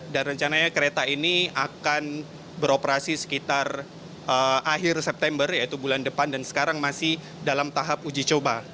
rencananya kereta ini akan beroperasi sekitar akhir september yaitu bulan depan dan sekarang masih dalam tahap uji coba